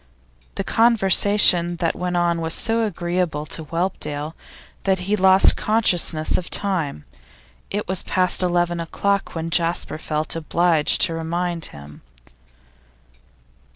The conversation that went on was so agreeable to Whelpdale, that he lost consciousness of time. It was past eleven o'clock when Jasper felt obliged to remind him.